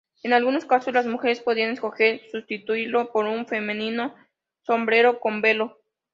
En algunos casos, las mujeres podían escoger sustituirlo por un femenino sombrero con velo.